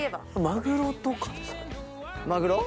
マグロとかですか？